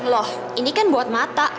loh ini kan buat mata